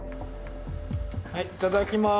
はいいただきます。